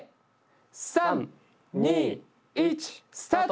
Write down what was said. ３・２・１スタート！